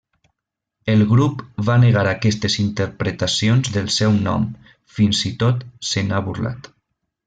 El grup va negar aquestes interpretacions del seu nom, fins i tot se n'ha burlat.